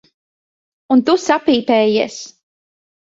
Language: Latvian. Un tu sapīpējies.